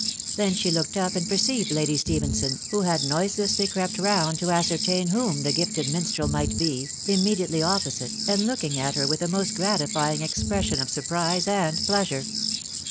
Then she looked up and perceived Lady Stephenson, who had noiselessly crept round to ascertain whom the gifted minstrel might be, immediately op posite, and looking at her with a most gratifying expression of surprise and pleasure.